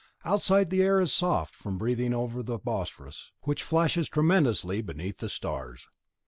Outside, the air is soft from breathing over the Bosphorus, which flashes tremulously beneath the stars.